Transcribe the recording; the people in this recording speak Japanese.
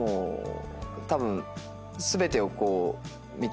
たぶん。